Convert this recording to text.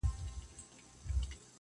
حیوانان یې وه بارونو ته بللي-